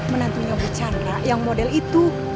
menantunya bu chandra yang model itu